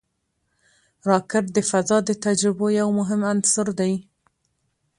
راکټ د فضا د تجربو یو مهم عنصر دی